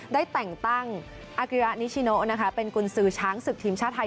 ได้แต่งตั้งอากิระนิชิโนเป็นกุญสือช้างศึกทีมชาติไทย